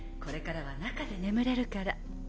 これからは中で眠れるから。